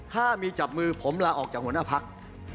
ถ้ามีจับมือผมลาออกจากหัวหน้าพัก